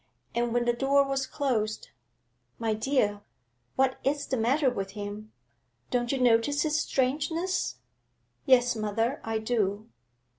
And, when the door was closed 'My dear, what is the matter with him? Don't you notice his strangeness?' 'Yes, mother, I do.'